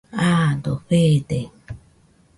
Aado feede.